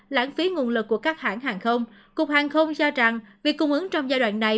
lãng phí nguồn lực của các hãng hàng không cục hàng không cho rằng việc cung ứng trong giai đoạn này